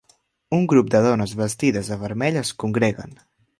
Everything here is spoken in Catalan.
Un grup de dones vestides de vermell es congreguen.